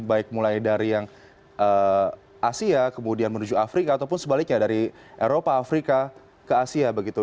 baik mulai dari yang asia kemudian menuju afrika ataupun sebaliknya dari eropa afrika ke asia begitu